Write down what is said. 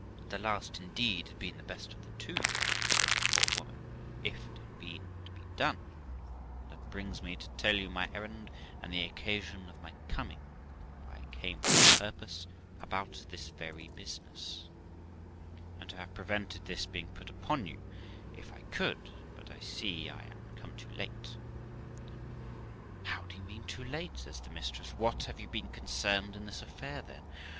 'The last indeed had been the best of the two', says the poor woman, ' if it had been to be done ; and that brings me to tell you my errand, and the occasion of my coming, for I came on purpose about this very business, and to have prevented this being put upon you if I could, but I see I am come too late.' 'How do you mean too late?' says the mistress. ' What ! have you been concerned in this affair, then